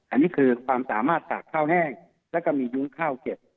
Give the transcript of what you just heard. อันนี้คือความสามารถตากข้าวแห้งแล้วก็มียุ้งข้าวเก็บ